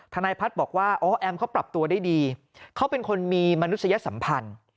นายพัฒน์บอกว่าอ๋อแอมเขาปรับตัวได้ดีเขาเป็นคนมีมนุษยสัมพันธ์